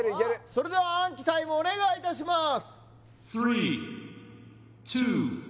それでは暗記タイムお願いいたします